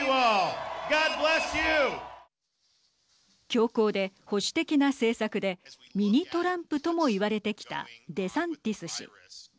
強硬で保守的な政策でミニ・トランプとも言われてきたデサンティス氏。